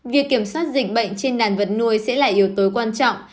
việc kiểm soát dịch bệnh trên đàn vật nuôi sẽ là yếu tố quan trọng